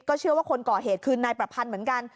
เชื่อว่าคนก่อเหตุคือนายประพันธ์เหมือนกัน